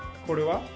これは？